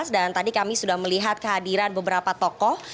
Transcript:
dan tadi kami sudah melihat kehadiran beberapa tokoh